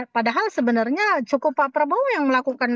padahal sebenarnya cukup pak prabowo yang melakukan